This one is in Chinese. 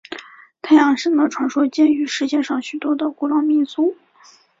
太阳神的传说见于世界上许多的古老民族。